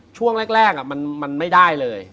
ช่วงแรกมันไม่ได้เลย